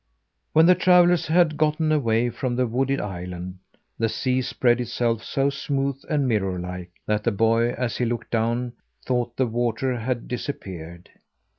When the travellers had gotten away from the wooded island, the sea spread itself so smooth and mirror like, that the boy as he looked down thought the water had disappeared.